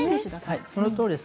そのとおりです。